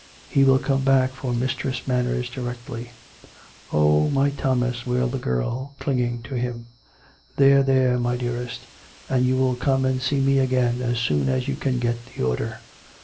He will come back for Mistress Manners directly." " Oh ! my Thomas !" wailed the girl, clinging to him. " There, there, my dearest. And you will come and see me again as soon as you can get the order."